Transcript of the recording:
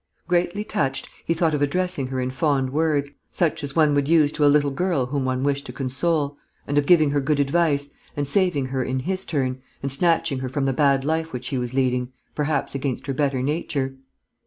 Greatly touched, he thought of addressing her in fond words, such as one would use to a little girl whom one wished to console, and of giving her good advice and saving her, in his turn, and snatching her from the bad life which she was leading, perhaps against her better nature.